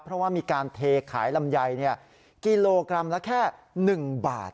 เพราะว่ามีการเทขายลำไยกิโลกรัมละแค่๑บาท